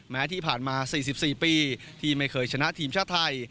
แม้ที่ผ่านมา๔๔ปีที่ไม่เคยชนะทีมชาติไทย